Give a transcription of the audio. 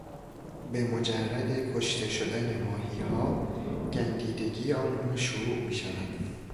به مجرد کشته شدن ماهیها گندیدگی آنها شروع میشود.